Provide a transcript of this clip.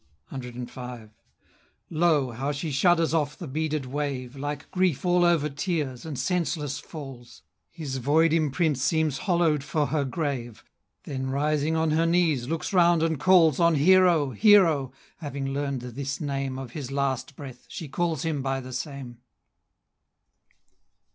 CV. Lo! how she shudders off the beaded wave, Like Grief all over tears, and senseless falls, His void imprint seems hollow'd for her grave; Then, rising on her knees, looks round and calls On "Hero! Hero!" having learn'd this name Of his last breath, she calls him by the same.